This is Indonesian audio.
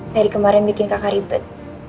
dari kemarin bikin kakak ribet